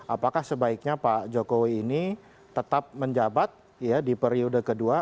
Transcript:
apakah sebaiknya pak jokowi ini tetap menjabat di periode kedua